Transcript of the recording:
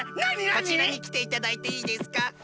こちらにきていただいていいですか？